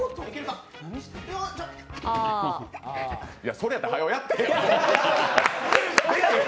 それやったらはよやってや。